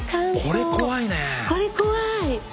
これ怖い！